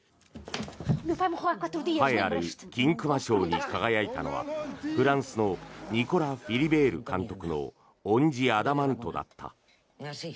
栄えある金熊賞に輝いたのはフランスのニコラ・フィリベール監督の「オン・ジ・アダマント」だった。